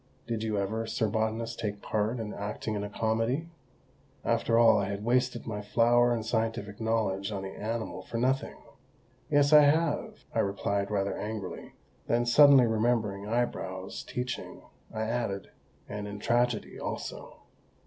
Did you ever, sir botanist, take part in acting a comedy?" After all, I had wasted my flower and scientific knowledge on the animal for nothing! "Yes, I have!" I replied rather angrily; then, suddenly remembering Eyebrows' teaching, I added, "and in tragedy also."